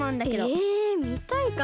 えみたいかなあ？